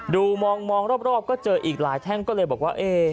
ดูมองรอบก็เจออีกหลายแท่งก็เลยบอกว่า